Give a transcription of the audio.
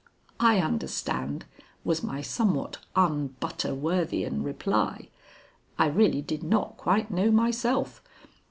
"I understand," was my somewhat un Butterworthian reply. I really did not quite know myself.